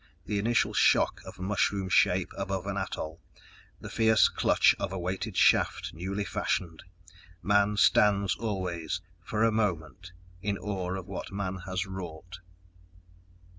The initial shock of mushroom shape above an atoll. The fierce clutch of a weighted shaft newly fashioned ... man stands always_ FOR A MOMENT _in awe of what man has wrought.